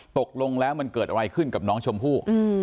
ตกลงแล้วมันเกิดอะไรขึ้นกับน้องชมพู่